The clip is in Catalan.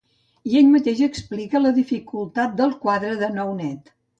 I ell mateix explica la dificultat del quatre de nou net.